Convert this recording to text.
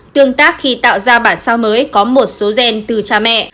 tương tác khi tạo ra bản sao mới có một số gen từ cha mẹ